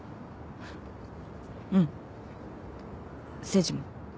うん誠治も。